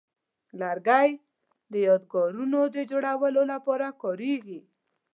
لرګی د یادګارونو د جوړولو لپاره کاریږي.